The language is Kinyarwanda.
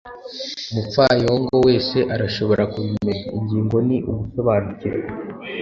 umupfayongo wese arashobora kubimenya. ingingo ni ugusobanukirwa